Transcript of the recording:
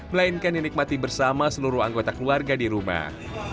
melainkan dinikmati bersama seluruh anggota keluarga di rumah